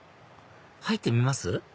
入ってみます？